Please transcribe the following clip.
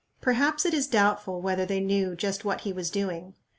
Perhaps it is doubtful whether they knew just what he was doing.